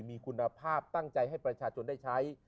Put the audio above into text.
มีคุณภาพตั้งใจให้ประชาชนได้ใช้